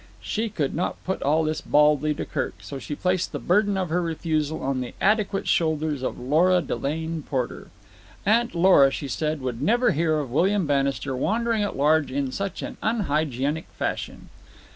She could not put all this baldly to Kirk, so she placed the burden of her refusal on the adequate shoulders of Lora Delane Porter. Aunt Lora, she said, would never hear of William Bannister wandering at large in such an unhygienic fashion.